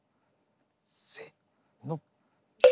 せの。